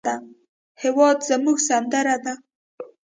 هېواد زموږ سندره ده